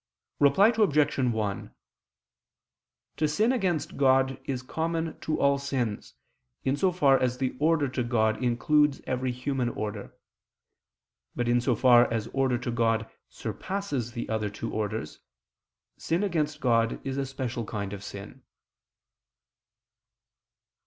Reply Obj. 1: To sin against God is common to all sins, in so far as the order to God includes every human order; but in so far as order to God surpasses the other two orders, sin against God is a special kind of sin.